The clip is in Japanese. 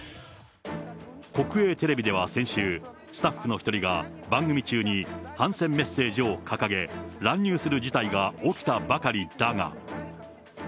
国営テレビでは先週、スタッフの１人が番組中に反戦メッセージを掲げ、乱入する事態が起きたばかりだが。